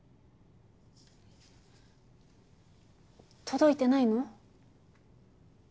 届いてないの？